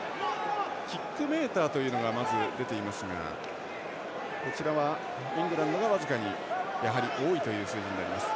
キックメーターというのがまず出ていますがこちらはイングランドが僅かにやはり多いという数字になります。